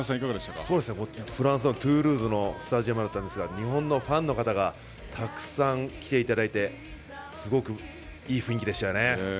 フランスはトゥールーズのスタジアムだったんですが、日本のファンの方がたくさん来ていただいて、すごくいい雰囲気でしたよね。